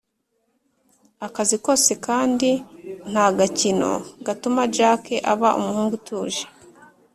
akazi kose kandi nta gakino gatuma jack aba umuhungu utuje